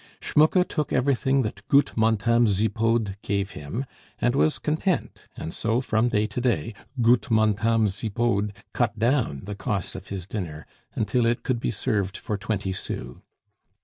Schmucke took everything that "goot Montame Zipod" gave him, and was content, and so from day to day "goot Montame Zipod" cut down the cost of his dinner, until it could be served for twenty sous.